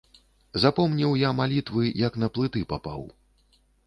Запомніў я малітвы, як на плыты папаў.